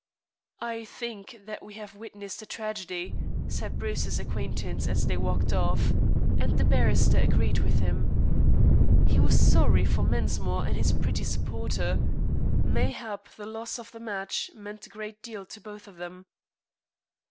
"I think that we have witnessed a tragedy," said Bruce's acquaintance as they walked off; and the barrister agreed with him. He was sorry for Mensmore and his pretty supporter. Mayhap the loss of the match meant a great deal to both of them.